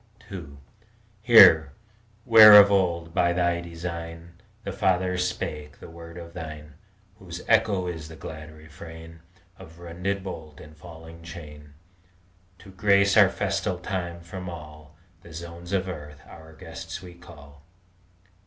II Here, where of old, by Thy design, The fathers spake that word of Thine Whose echo is the glad refrain Of rended bolt and falling chain, To grace our festal time, from all The zones of earth our guests we call.